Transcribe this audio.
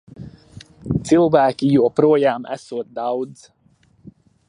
Cilvēki joprojām esot daudz.